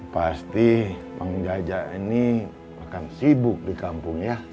pasti pengunjaja ini akan sibuk di kampung ya